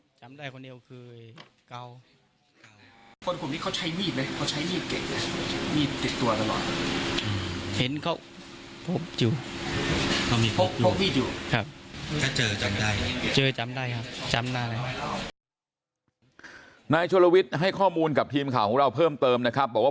เจอจำได้ครับจำได้นะไหนชนวิทย์ให้ข้อมูลกับทีมข่าวของเราเพิ่มเติมนะครับบอกว่า